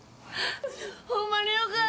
ホンマによかった！